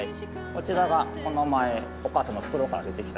こちらがこの前お母さんの袋から出てきた。